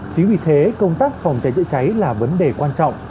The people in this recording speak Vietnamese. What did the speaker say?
chính vì thế công tác phòng cháy chữa cháy là vấn đề quan trọng